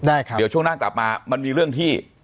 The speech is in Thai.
เดี๋ยวช่วงหน้ากลับมามันมีเรื่องที่